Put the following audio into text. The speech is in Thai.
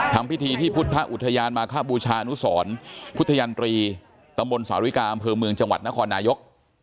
ทำพิธีที่พุทธอุทยานมาคบูชานุสรพุทธยันตรีตำบลสาวิกาอำเภอเมืองจังหวัดนครนายก